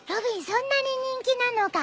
そんなに人気なのか？